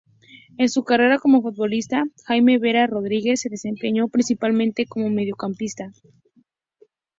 En su carrera como futbolista, Jaime Vera Rodríguez se desempeñó principalmente como mediocampista.